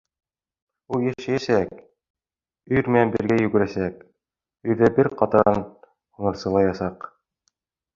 Ул йәшәйәсәк, өйөр менән бергә йүгерәсәк, өйөрҙә бер ҡатарҙан һунарсылаясаҡ.